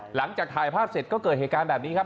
หลังจากถ่ายภาพเสร็จก็เกิดเหตุการณ์แบบนี้ครับ